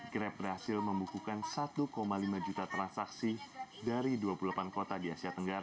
grab berhasil membukukan satu lima juta transaksi dari dua puluh delapan kota di asia tenggara